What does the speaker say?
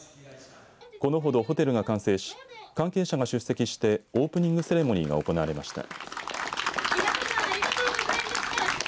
このほどホテルが完成し関係者が出席してオープニングセレモニーが行われました。